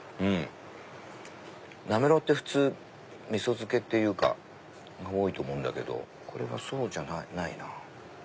なめろうって味噌漬けっていうか多いと思うんだけどこれはそうじゃないな。